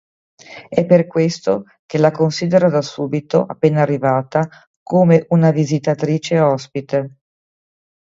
È per questo che la considera da subito, appena arrivata, come una visitatrice ospite.